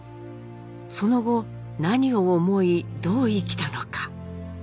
その後何を思いどう生きたのか？